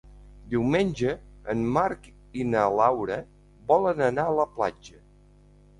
Diumenge en Marc i na Laura volen anar a la platja.